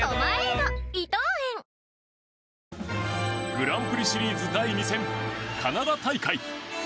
グランプリシリーズ第２戦カナダ大会。